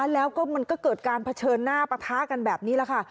แล้วก็มันก็เกิดการเผชิญหน้าปะทะกันแบบนี้แหละค่ะ